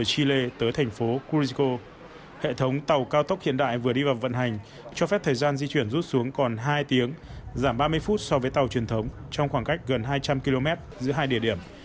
hệ thống tàu cao tốc hiện đại vừa đi vào vận hành cho phép thời gian di chuyển rút xuống còn hai tiếng giảm ba mươi phút so với tàu truyền thống trong khoảng cách gần hai trăm linh km giữa hai địa điểm